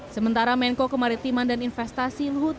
sementara menko kemaritiman dan investasi luhut